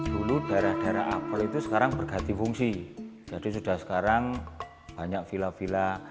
dulu darah darah apple itu sekarang berganti fungsi jadi sudah sekarang banyak vila vila